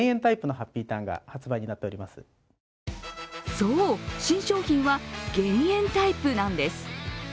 そう、新商品は減塩タイプなんです。